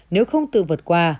nếu không tự vượt qua